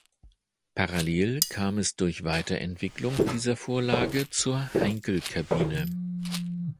Parallel kam es durch Weiterentwicklung dieser Vorlage zur Heinkel Kabine.